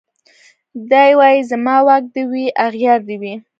دی وايي زما واک دي وي اغيار دي وي